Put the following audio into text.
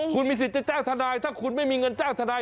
คุณมีสิทธิ์จะจ้างทนายถ้าคุณไม่มีเงินจ้างทนาย